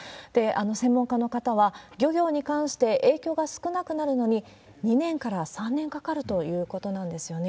専門家の方は漁業に関して影響が少なくなるのに、２年から３年かかるということなんですよね。